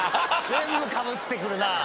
全部かぶってくるな。